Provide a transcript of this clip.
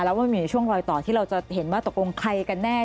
แล้วมันมีช่วงรอยต่อที่เราจะเห็นว่าตกลงใครกันแน่